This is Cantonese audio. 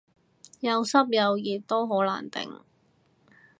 又濕又熱都好難頂